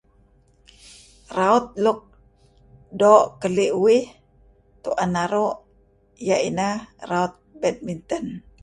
Raut luk doo' keli' uih, tu'en naru', iyeh ineh raut betminten.